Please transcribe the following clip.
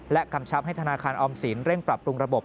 กำชับให้ธนาคารออมสินเร่งปรับปรุงระบบ